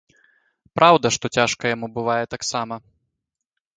Праўда, што цяжка яму бывае таксама.